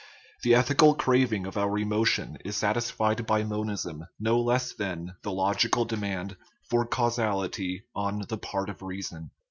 The ethical craving of our emotion is sat isfied by monism no less than the logical demand for causality on the part of reason."